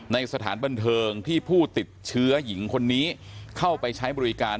สถานบันเทิงที่ผู้ติดเชื้อหญิงคนนี้เข้าไปใช้บริการ